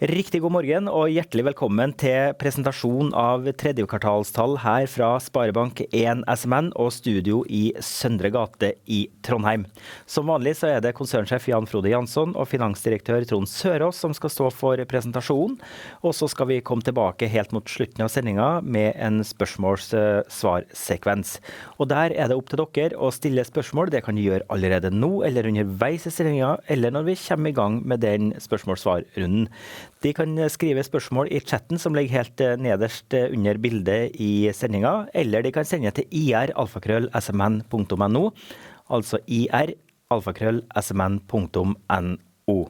Riktig god morgen og hjertelig velkommen til presentasjonen av tredje kvartalstall her fra Sparebank 1 SMN og Studio i Søndre Gate i Trondheim. Som vanlig så er det Konsernsjef Jan Frode Janson og Finansdirektør Trond Sørås som skal stå for presentasjonen. Og så skal vi komme tilbake helt mot slutten av sendingen med en spørsmål svar sekvens. Og der er det opp til dere å stille spørsmål. Det kan du gjøre allerede nå eller underveis i sendingen, eller når vi kommer i gang med den spørsmål svar runden. De kan skrive spørsmål i chatten som ligger helt nederst under bildet i sendingen. Eller de kan sende til ir@smn.no, altså ir@smn.no.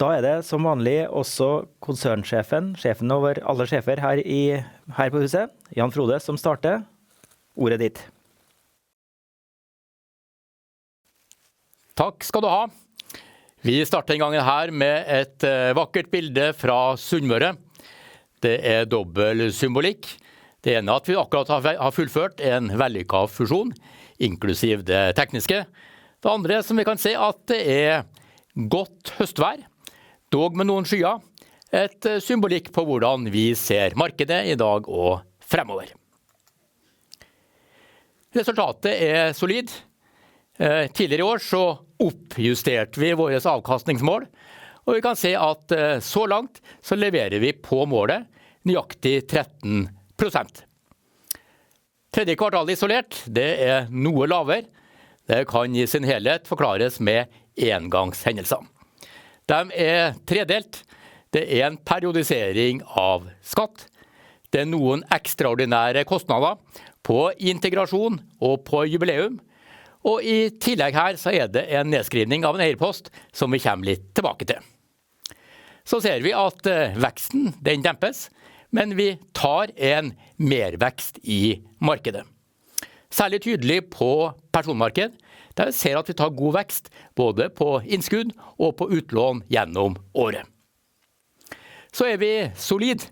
Da er det som vanlig også Konsernsjefen, sjefen over alle sjefer her på huset, Jan Frode, som starter. Ordet er ditt! Takk skal du ha! Vi starter denne gangen her med et vakkert bilde fra Sunnmøre. Det er dobbel symbolikk. Det ene at vi akkurat har fullført en vellykket fusjon, inklusiv det tekniske. Det andre som vi kan se at det er godt høstvær, dog med noen skyer. En symbolikk på hvordan vi ser markedet i dag og fremover. Resultatet er solid. Tidligere i år så oppjusterte vi våres avkastningsmål, og vi kan se at så langt så leverer vi på målet nøyaktig 13%. Tredje kvartal isolert. Det er noe lavere. Det kan i sin helhet forklares med engangshendelser. De er tredelt. Det er en periodisering av skatt. Det er noen ekstraordinære kostnader på integrasjon og på jubileum. I tillegg her så er det en nedskrivning av en eierpost som vi kommer litt tilbake til. Så ser vi at veksten den dempes. Men vi tar en mervekst i markedet. Særlig tydelig på personmarkedet. Der ser vi at vi tar god vekst både på innskudd og på utlån gjennom året. Vi er solid.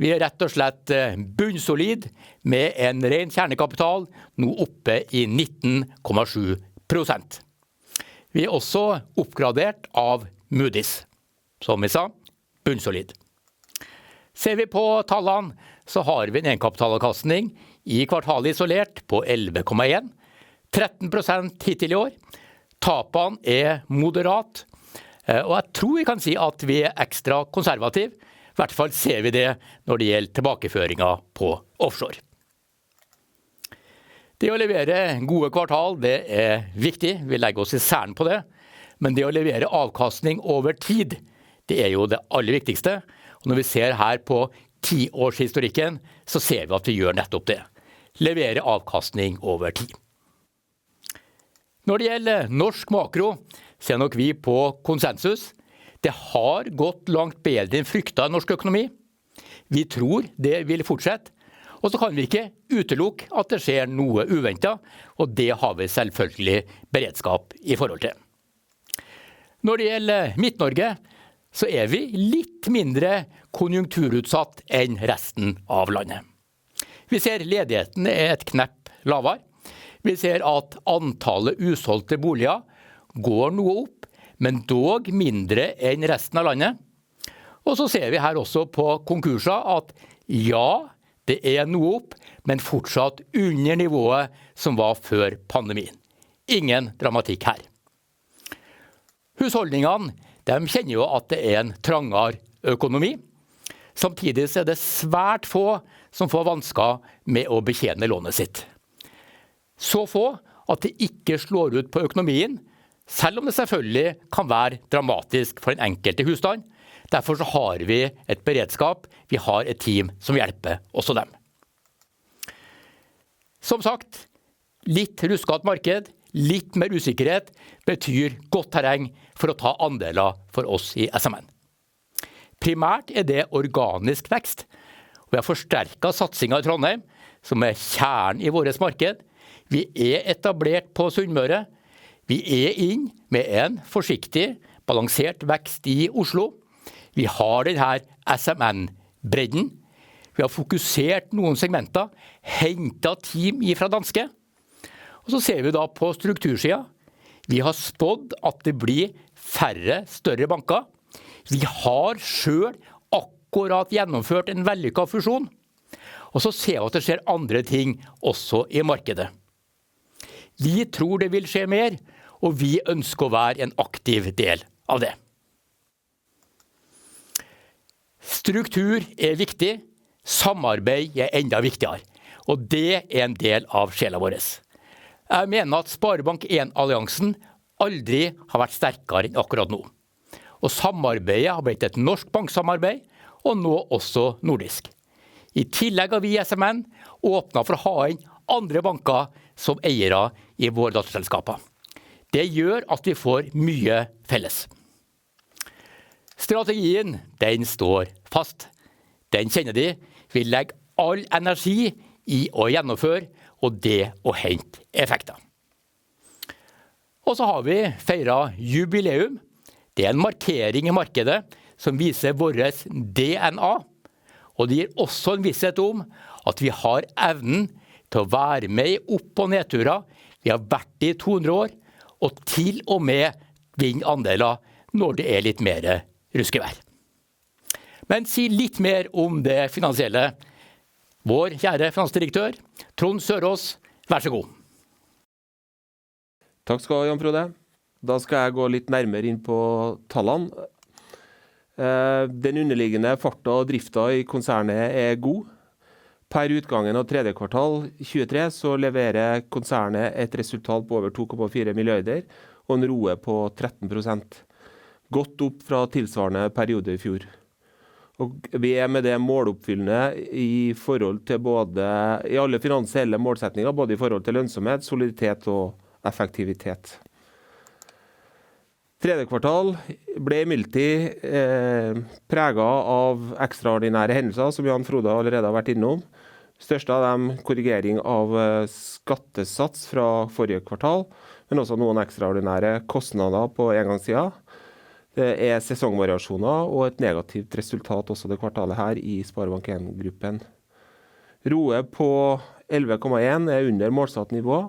Vi er rett og slett bunnsolid med en ren kjernekapital, nå oppe i 19,7%. Vi er også oppgradert av Moody's. Som vi sa, bunnsolid. Ser vi på tallene så har vi en egenkapitalavkastning i kvartalet, isolert på 11,1%. 13% hittil i år. Tapene er moderat, og jeg tror vi kan si at vi er ekstra konservativ. I hvert fall ser vi det når det gjelder tilbakeføringen på offshore. Det å levere gode kvartal, det er viktig. Vi legger oss i selen på det. Men det å levere avkastning over tid, det er jo det aller viktigste. Når vi ser her på ti års historikken, så ser vi at vi gjør nettopp det: leverer avkastning over tid. Når det gjelder norsk makro, ser nok vi på konsensus. Det har gått langt bedre enn fryktet i norsk økonomi. Vi tror det vil fortsette. Og så kan vi ikke utelukke at det skjer noe uventet. Og det har vi selvfølgelig beredskap i forhold til. Når det gjelder Midt-Norge så er vi litt mindre konjunkturutsatt enn resten av landet. Vi ser ledigheten er et knepp lavere. Vi ser at antallet usolgte boliger går noe opp, men dog mindre enn resten av landet. Og så ser vi her også på konkurser at ja, det er noe opp, men fortsatt under nivået som var før pandemien. Ingen dramatikk her. Husholdningene, de kjenner jo at det er en trangere økonomi. Samtidig så er det svært få som får vansker med å betjene lånet sitt. Så få at det ikke slår ut på økonomien, selv om det selvfølgelig kan være dramatisk for den enkelte husstand. Derfor har vi et beredskap. Vi har et team som hjelper også dem. Som sagt, litt rusket marked. Litt mer usikkerhet betyr godt terreng for å ta andeler for oss i SMN. Primært er det organisk vekst. Vi har forsterket satsingen i Trondheim, som er kjernen i vårt marked. Vi er etablert på Sunnmøre. Vi er inn med en forsiktig, balansert vekst i Oslo. Vi har den her SMN-bredden. Vi har fokusert noen segmenter, hentet team fra Danske, og så ser vi da på struktursiden. Vi har spådd at det blir færre større banker. Vi har selv akkurat gjennomført en vellykket fusjon. Så ser vi at det skjer andre ting også i markedet. Vi tror det vil skje mer, og vi ønsker å være en aktiv del av det. Struktur er viktig. Samarbeid er enda viktigere. Og det er en del av sjela vår. Jeg mener at Sparebank 1-alliansen aldri har vært sterkere enn akkurat nå, og samarbeidet har blitt et norsk banksamarbeid og nå også nordisk. I tillegg har vi i SMN åpnet for å ha inn andre banker som eiere i våre datterselskaper. Det gjør at vi får mye felles. Strategien, den står fast. Den kjenner de. Vi legger all energi i å gjennomføre og det å hente effekter. Og så har vi feiret jubileum. Det er en markering i markedet som viser vårt DNA. Og det gir også en visshet om at vi har evnen til å være med i opp- og nedturer. Vi har vært i to hundre år, og til og med vinne andeler når det er litt mer ruskevær. Men si litt mer om det finansielle. Vår kjære Finansdirektør, Trond Sørås. Vær så snill! Takk skal du ha, Jan Frode. Da skal jeg gå litt nærmere inn på tallene. Den underliggende farten og driften i konsernet er god. Per utgangen av tredje kvartal 2023, så leverer konsernet et resultat på over NOK 2,4 milliarder og en ROE på 13%, godt opp fra tilsvarende periode i fjor. Vi er med det måloppfyllende i forhold til alle finansielle målsettinger, både i forhold til lønnsomhet, soliditet og effektivitet. Tredje kvartal ble imidlertid preget av ekstraordinære hendelser, som Jan Frode allerede har vært innom. Størst av dem korrigering av skattesats fra forrige kvartal, men også noen ekstraordinære kostnader på engangssiden. Det er sesongvariasjoner og et negativt resultat også det kvartalet her i Sparebank 1-gruppen. ROE på 11,1% er under målsatt nivå,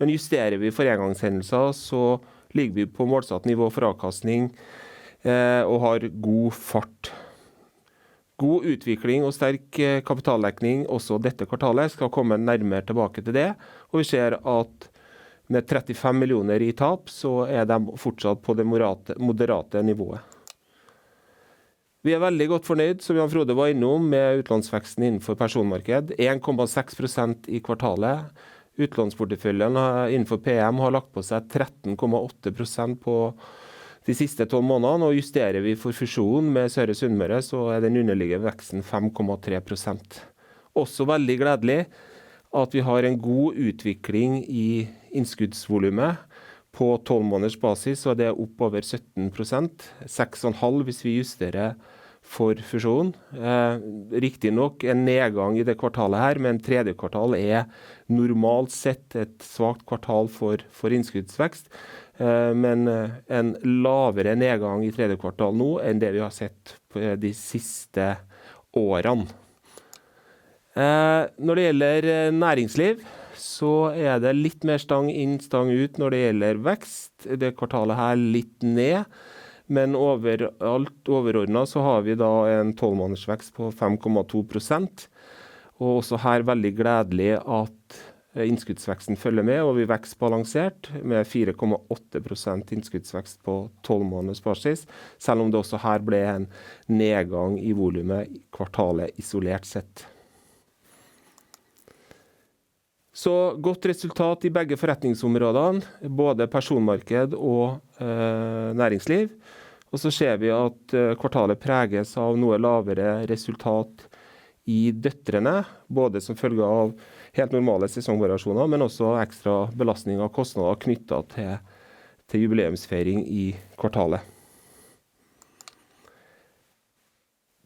men justerer vi for engangshendelser så ligger vi på målsatt nivå for avkastning og har god fart. God utvikling og sterk kapitaldekning også dette kvartalet. Skal komme nærmere tilbake til det, og vi ser at med 35 millioner i tap, så er de fortsatt på det moderate nivået. Vi er veldig godt fornøyd, som Jan Frode var innom med utlånsveksten innenfor personmarked, 1,6% i kvartalet. Utlånsporteføljen innenfor PM har lagt på seg 13,8% på de siste tolv månedene, og justerer vi for fusjonen med Søre Sunnmøre, så er den underliggende veksten 5,3%. Også veldig gledelig at vi har en god utvikling i innskuddsvolumet. På tolv måneders basis så er det opp over 17%, 6,5% hvis vi justerer for fusjonen. Riktignok en nedgang i det kvartalet her, men tredje kvartal er normalt sett et svakt kvartal for innskuddsvekst, men en lavere nedgang i tredje kvartal nå enn det vi har sett på de siste årene. Når det gjelder næringsliv så er det litt mer stang inn, stang ut når det gjelder vekst. Det kvartalet her, litt ned. Men overalt overordnet så har vi da en tolv måneders vekst på 5,2%. Også her veldig gledelig at innskuddsveksten følger med, og vi vokser balansert med 4,8% innskuddsvekst på tolv måneders basis. Selv om det også her ble en nedgang i volumet i kvartalet isolert sett. Så godt resultat i begge forretningsområdene, både personmarked og næringsliv. Og så ser vi at kvartalet preges av noe lavere resultat i døtrene, både som følge av helt normale sesongvariasjoner, men også av ekstra belastninger og kostnader knyttet til jubileumsfeiring i kvartalet.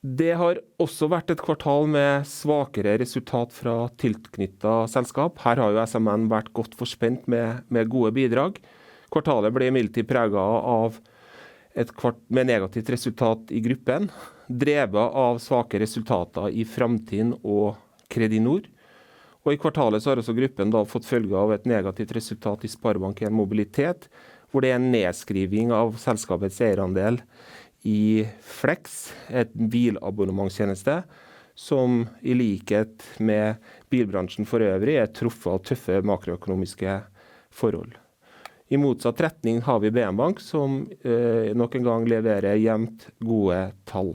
Det har også vært et kvartal med svakere resultat fra tilknyttede selskap. Her har jo SMN vært godt forspent med gode bidrag. Kvartalet ble imidlertid preget av et kvartal med negativt resultat i gruppen, drevet av svake resultater i Framtiden og Kredinor. I kvartalet så har også gruppen da fått følger av et negativt resultat i Sparebank 1 Mobilitet, hvor det er en nedskrivning av selskapets eierandel i Flex. Et bilabonnementstjeneste som i likhet med bilbransjen for øvrig er truffet av tøffe makroøkonomiske forhold. I motsatt retning har vi BN Bank, som nok en gang leverer jevnt gode tall.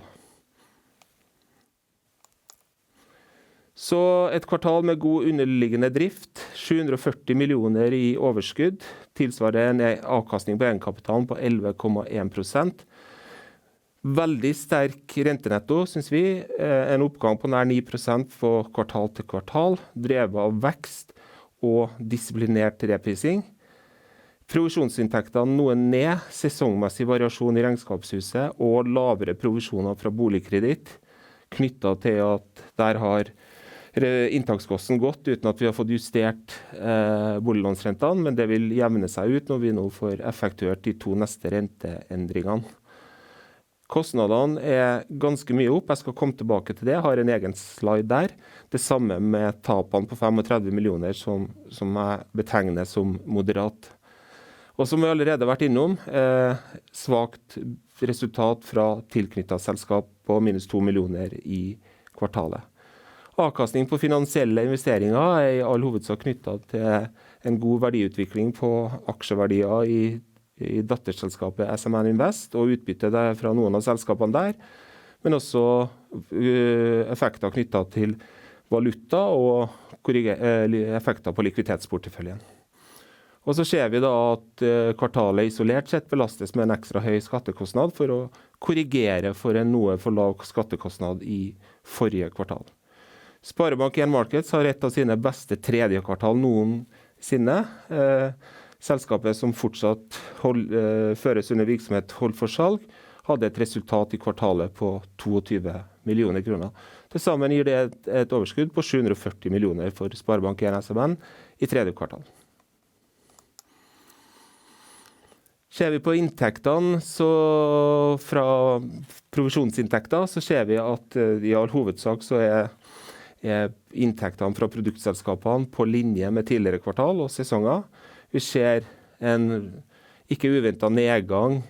Så et kvartal med god underliggende drift, 740 millioner i overskudd. Tilsvarende en avkastning på egenkapitalen på 11,1%. Veldig sterk rentenetto synes vi. En oppgang på nær 9% fra kvartal til kvartal, drevet av vekst og disiplinert reprising. Provisjonsinntektene noe ned. Sesongmessig variasjon i regnskapshuset og lavere provisjoner fra boligkreditt, knyttet til at der har inntektskosten gått uten at vi har fått justert boliglånsrentene. Men det vil jevne seg ut når vi nå får effektuert de to neste renteendringene. Kostnadene er ganske mye opp. Jeg skal komme tilbake til det. Har en egen slide der. Det samme med tapene på NOK 35 millioner, som jeg betegner som moderat. Og som jeg allerede har vært innom, svakt resultat fra tilknyttede selskap på minus NOK 2 millioner i kvartalet. Avkastningen på finansielle investeringer er i all hovedsak knyttet til en god verdiutvikling på aksjeverdier i datterselskapet SMN Invest og utbytte fra noen av selskapene der, men også effekter knyttet til valuta og korrigerende effekter på likviditetsporteføljen. Kvartalet isolert sett belastes med en ekstra høy skattekostnad for å korrigere for en noe for lav skattekostnad i forrige kvartal. Sparebank 1 Markets har et av sine beste tredje kvartal noen sinne. Selskapet, som fortsatt holdes under virksomhet holdt for salg, hadde et resultat i kvartalet på 22 millioner kroner. Til sammen gir det et overskudd på 740 millioner for Sparebank 1 SMN i tredje kvartal. Ser vi på inntektene fra provisjonsinntekter, så er inntektene fra produktselskapene i all hovedsak på linje med tidligere kvartal og sesonger. Vi ser en ikke uventet nedgang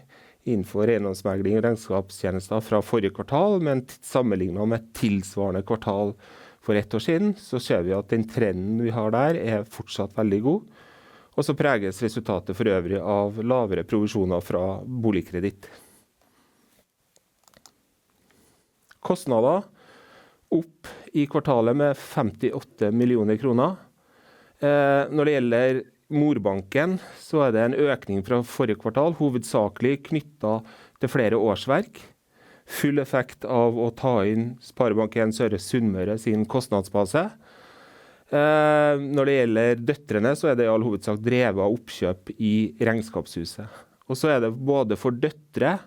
innenfor eiendomsmegling og regnskapstjenester fra forrige kvartal. Men sammenlignet med tilsvarende kvartal for ett år siden, så ser vi at den trenden vi har der er fortsatt veldig god. Og så preges resultatet for øvrig av lavere provisjoner fra boligkreditt. Kostnader opp i kvartalet med NOK 58 millioner. Når det gjelder morbanken så er det en økning fra forrige kvartal, hovedsakelig knyttet til flere årsverk. Full effekt av å ta inn Sparebanken Søre Sunnmøre sin kostnadsbase. Når det gjelder døtrene, så er det i all hovedsak drevet av oppkjøp i Regnskapshuset. Og så er det både for døtre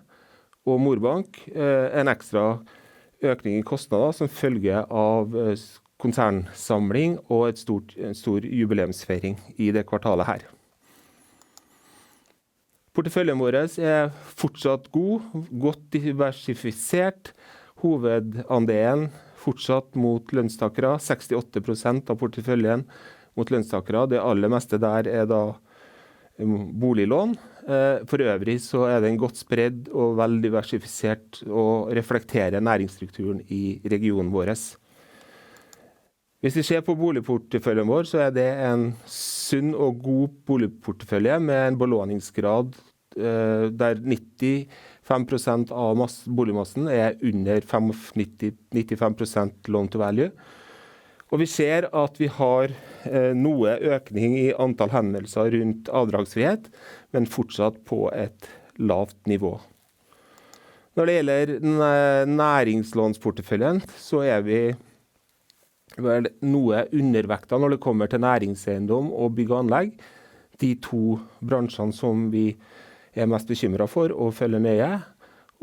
og morbank, en ekstra økning i kostnader som følge av konsernsamling og en stor jubileumsfeiring i det kvartalet her. Porteføljen vår er fortsatt god, godt diversifisert. Hovedandelen fortsatt mot lønnstakere. 68% av porteføljen mot lønnstakere. Det aller meste der er da boliglån. For øvrig så er den godt spredd og vel diversifisert og reflekterer næringsstrukturen i regionen vår. Hvis vi ser på boligporteføljen vår, så er det en sunn og god boligportefølje med en belåningsgrad der 95% av boligmassen er under 95% loan to value, og vi ser at vi har noe økning i antall henvendelser rundt avdragsfrihet, men fortsatt på et lavt nivå. Når det gjelder næringslånsporteføljen, så er vi vel noe undervekta når det kommer til næringseiendom og bygg og anlegg. De to bransjene som vi er mest bekymret for og følger med i,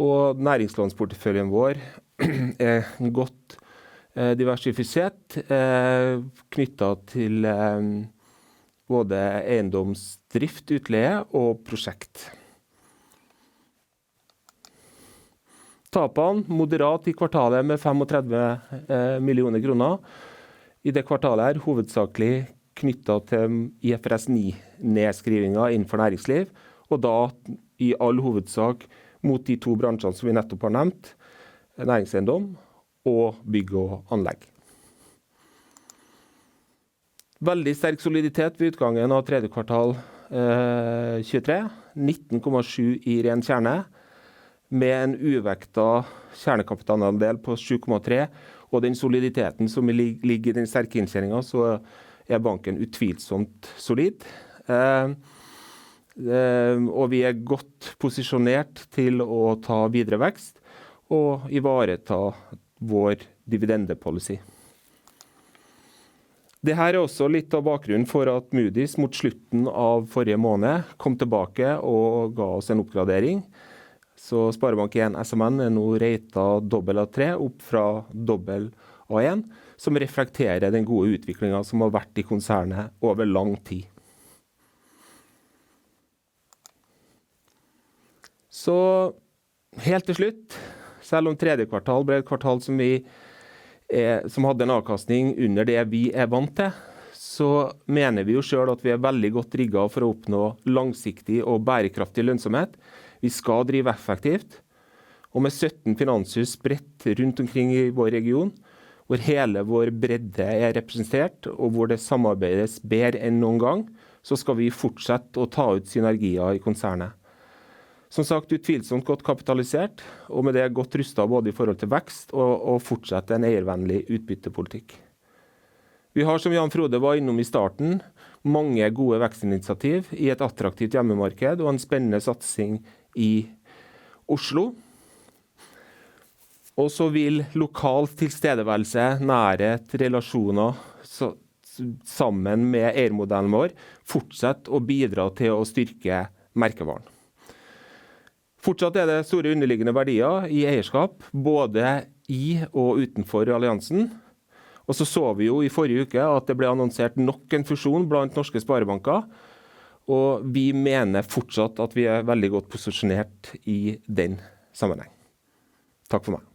og næringslånsporteføljen vår er godt diversifisert knyttet til både eiendomsdrift, utleie og prosjekt. Tapene moderat i kvartalet med 35 millioner kroner i det kvartalet her, hovedsakelig knyttet til IFRS 9, nedskrivninger innenfor næringsliv, og da i all hovedsak mot de to bransjene som vi nettopp har nevnt, næringseiendom og bygg og anlegg. Veldig sterk soliditet ved utgangen av tredje kvartal 2023. 19,7% i ren kjerne, med en uvektet kjernekapitalandel på 7,3%. Soliditeten som ligger i den sterke innkrevlingen, så er banken utvilsomt solid. Vi er godt posisjonert til å ta videre vekst og ivareta vår dividende policy. Det her er også litt av bakgrunnen for at Moody's mot slutten av forrige måned kom tilbake og ga oss en oppgradering. Så Sparebank 1 SMN er nå ratet AA3, opp fra AA1, som reflekterer den gode utviklingen som har vært i konsernet over lang tid. Så helt til slutt. Selv om tredje kvartal ble et kvartal som vi hadde en avkastning under det vi er vant til, så mener vi jo selv at vi er veldig godt rigget for å oppnå langsiktig og bærekraftig lønnsomhet. Vi skal drive effektivt og med sytten finanshus spredt rundt omkring i vår region, hvor hele vår bredde er representert og hvor det samarbeides bedre enn noen gang, så skal vi fortsette å ta ut synergier i konsernet. Som sagt utvilsomt godt kapitalisert og med det godt rustet både i forhold til vekst og fortsette en eiervennlig utbyttepolitikk. Vi har, som Jan Frode var innom i starten, mange gode vekstinitiativ i et attraktivt hjemmemarked og en spennende satsing i Oslo. Lokal tilstedeværelse, nærhet, relasjoner, sammen med eiermodellen vår fortsette å bidra til å styrke merkevaren. Fortsatt er det store underliggende verdier i eierskap, både i og utenfor alliansen. Og så så vi jo i forrige uke at det ble annonsert nok en fusjon blant norske sparebanker, og vi mener fortsatt at vi er veldig godt posisjonert i den sammenheng. Takk for meg!